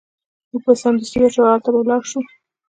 موږ به سمدستي ورشو او هلته به لاړ شو